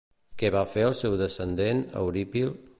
Què va fer el seu descendent Eurípil?